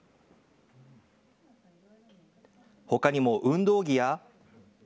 ほかにも運動着や。